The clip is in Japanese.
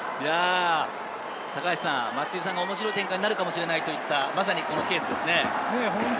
松井さんが面白い展開になるかもしれないと言った、まさにこのケースですね。